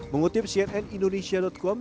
mengutip cnn indonesia com